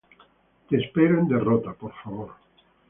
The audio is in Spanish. te espero en derrota. por favor.